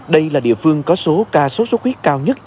đây là địa phương có số ca sốt xuất huyết cao nhất